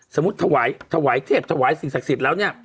สมมุติถวายเทพถวายสิ่งศักดิ์สิทธิ์แล้วเนี่ย